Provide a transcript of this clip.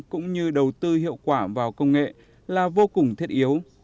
cũng như đầu tư hiệu quả vào công nghệ là vô cùng thiết yếu